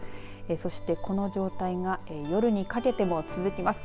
そして、この状態が夜にかけても続きます。